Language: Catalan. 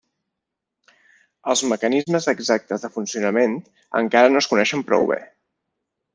Els mecanismes exactes de funcionament encara no es coneixen prou bé.